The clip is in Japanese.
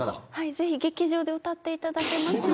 ぜひ、劇場で歌っていただきたい。